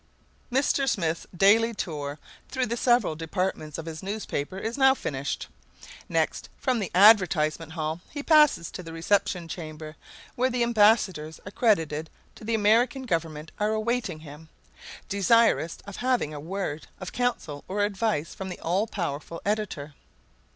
Mr. Smith's daily tour through the several departments of his newspaper is now finished. Next, from the advertisement hall he passes to the reception chamber, where the ambassadors accredited to the American government are awaiting him, desirous of having a word of counsel or advice from the all powerful editor.